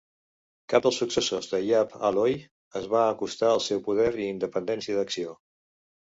Cap dels successors de Yap Ah Loy es va acostar al seu poder i independència d'acció.